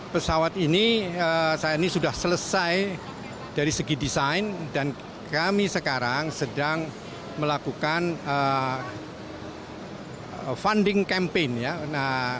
pesawat ini saat ini sudah selesai dari segi desain dan kami sekarang sedang melakukan funding campaign ya